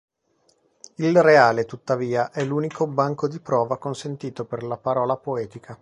Il reale, tuttavia, è l'unico banco di prova consentito per la parola poetica.